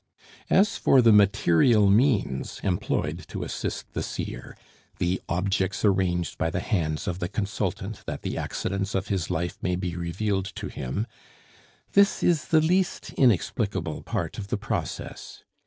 As for the material means employed to assist the seer the objects arranged by the hands of the consultant that the accidents of his life may be revealed to him, this is the least inexplicable part of the process.